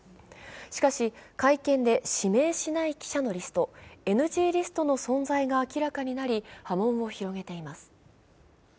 しかし、会見で指名しない記者のリスト、ＮＧリストの存在が明らかとなり、波紋を広げています。